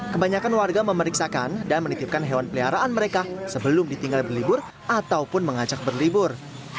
kebanyakan warga memeriksakan dan menitipkan hewan peliharaan mereka sebelum ditinggal berlibur ataupun mengajak berlibur